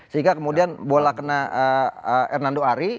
sehingga kemudian bola kena hernando ari